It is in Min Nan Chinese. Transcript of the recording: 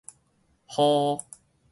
昊